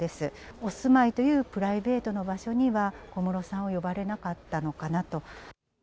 お住まいというプライベートな場所には、小室さんを呼ばれなかったのかなと。